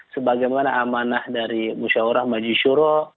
sebagaimana amanah dari musyawarah maju shuro